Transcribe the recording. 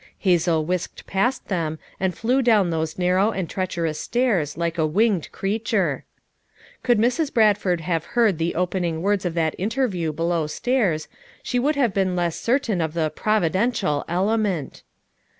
Hazel whisked past them and flew down those narrow and treacherous stairs like a winged creature. Gould Mrs. Bradford have heard the opening words of that interview below stairs she would FOUR MOTHERS AT CHAUTAUQUA 269 have been less certain of the " providential' ' element.